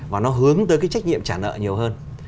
và nó hướng tới cái trách nhiệm trả nợ nhiều hơn